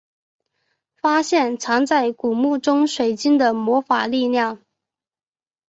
发现藏在古墓中水晶的魔法力量。